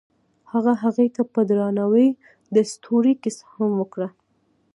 هغه هغې ته په درناوي د ستوري کیسه هم وکړه.